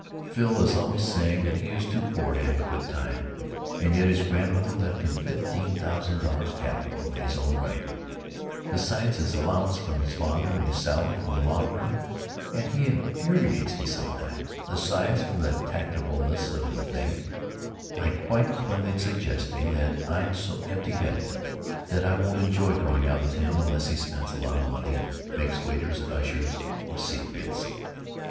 Phil is always saying that he is too poor to have a good time, and yet his grandmother left him fifteen thousand dollars capital in his own right, besides his allowance from his father and his salary from the law firm; and he infuriates me sometimes—aside from the tactlessness of the thing—by quite plainly suggesting that I'm so empty headed that I won't enjoy going out with him unless he spends a lot of money and makes waiters and ushers obsequious.